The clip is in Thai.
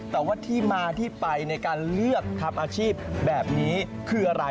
แต่ว่าที่มาที่ไปในการเลือกทำอาชีพแบบนี้คืออะไร